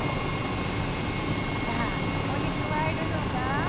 さあここに加えるのが。